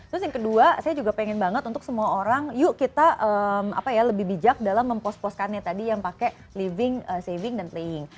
terus yang kedua saya juga pengen banget untuk semua orang yuk kita lebih bijak dalam mempos poskannya tadi yang pakai living saving dan playing